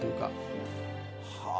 はあ！